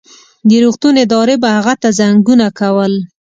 د روغتون ادارې به هغه ته زنګونه کول.